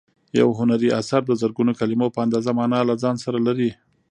یو هنري اثر د زرګونو کلیمو په اندازه مانا له ځان سره لري.